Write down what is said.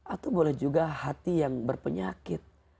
atau boleh juga hati yang berpenyakit